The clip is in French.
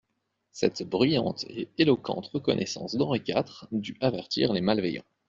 Cette bruyante et éloquente reconnaissance d'Henri quatre dut avertir les malveillants.